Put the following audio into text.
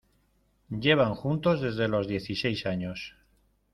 Llevan juntos desde los dieciséis años.